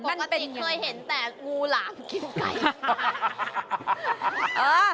ปกติเคยเห็นแต่งูหลามกินไก่